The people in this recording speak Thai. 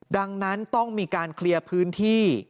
ดังนั้นต้องมีการเคลียร์พื้นที่